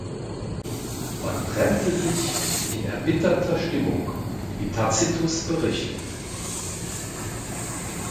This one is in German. Man trennte sich in erbitterter Stimmung, wie Tacitus berichtet.